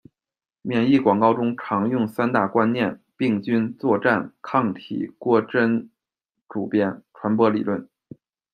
免疫广告中常用三大观念：病菌、作战、抗体郭贞主编《传播理论》